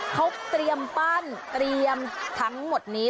เขาเตรียมปั้นเตรียมทั้งหมดนี้